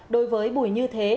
đối với bùi như thế